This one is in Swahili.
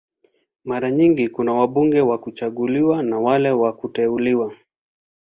Mara nyingi kuna wabunge wa kuchaguliwa na wale wa kuteuliwa.